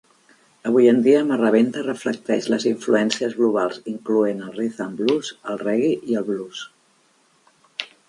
Avui en dia, Marrabenta reflecteix les influències globals, incloent el Rhythm and Blues, el Reggae i el Blues.